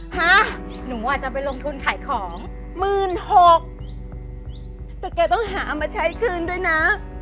ฮะหนูอาจจะไปลงทุนขายของหมื่นหกแต่แกต้องหามาใช้คืนด้วยนะ